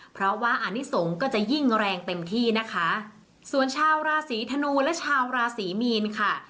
เพราะว่าอนิสงฆ์ก็จะยิ่งแรงเต็มที่นะคะส่วนชาวราศีธนูและชาวราศรีมีนค่ะ